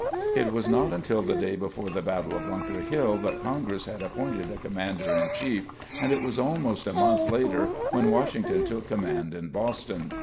It was not until the day before the battle of Bunker Hill that congress had appointed a commander in chief and it was almost a month later when Washington took command in Boston.